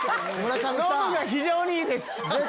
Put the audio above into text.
ノブが非常にいいです。